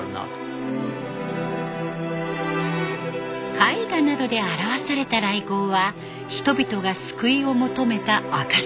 絵画などで表された来迎は人々が救いを求めた証し。